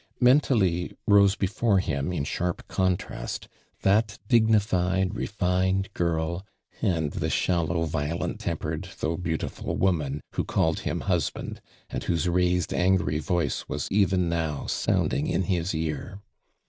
Mentally rose before him, in sharp con tast, that dignified, refined girl, and the shallow, violent tempered, though beauti ful woman who called him husband, and whose raised angry voice was even now sounding in his ear.